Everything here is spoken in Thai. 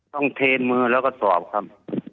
เทนมือแล้วก็สอบครับ